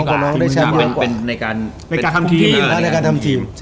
เป็นการทำทีม